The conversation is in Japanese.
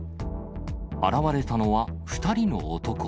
現れたのは２人の男。